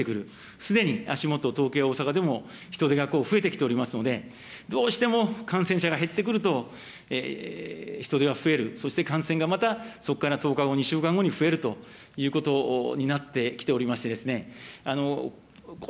すでに足元、東京や大阪でも、人出が増えてきておりますので、どうしても感染者が減ってくると、人出は増える、そしてまたそこから１０日後、２週間後に増えるということになってきておりましてですね、これ